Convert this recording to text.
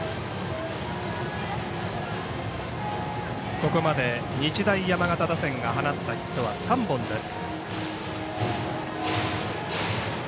ここまで日大山形打線が放ったヒットは３本です。